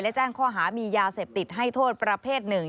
และแจ้งข้อหามียาเสพติดให้โทษประเภทหนึ่ง